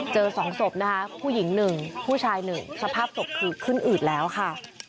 เจอสองศพนะคะผู้หญิงหนึ่งผู้ชายหนึ่งสภาพศพคือขึ้นอืดแล้วค่ะ